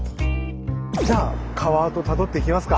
じゃあ川跡たどっていきますか。